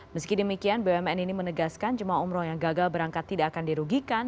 meski demikian bumn ini menegaskan jemaah umroh yang gagal berangkat tidak akan dirugikan